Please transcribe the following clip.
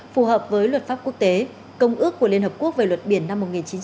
phù hợp với luật pháp quốc tế công ước của liên hợp quốc về luật biển năm một nghìn chín trăm tám mươi hai